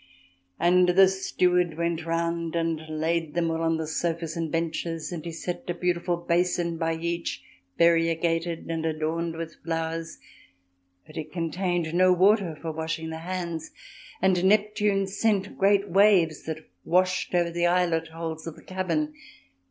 . And the steward went round and laid them all on the sofas and benches and he set a beautiful basin by each, variegated and adorned with flowers, but it contained no water for washing the hands, and Neptune sent great waves that washed over the eyelet holes of the cabin.